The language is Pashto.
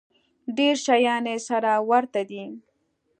ډېر شیان یې سره ورته دي.